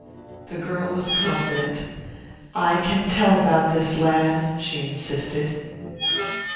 The girl was confident. "I can tell about this lad," she insisted.